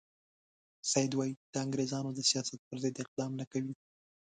سید وایي د انګریزانو د سیاست پر ضد اقدام نه کوي.